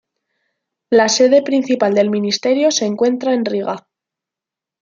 La sede principal del ministerio se encuentra en Riga.